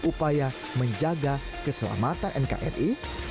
upaya menjaga keselamatan nkri